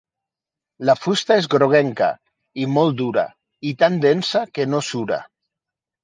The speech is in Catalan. La fusta és groguenca i molt dura, i tan densa que no sura.